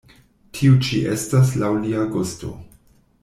Tio ĉi estas laŭ lia gusto.